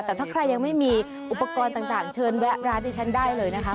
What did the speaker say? แต่ถ้าใครยังไม่มีอุปกรณ์ต่างเชิญแวะร้านที่ฉันได้เลยนะคะ